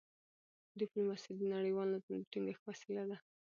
ډيپلوماسي د نړیوال نظم د ټینګښت وسیله ده.